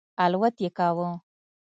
الوت یې کاوه.